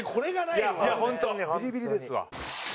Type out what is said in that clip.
いやホントビリビリですわ。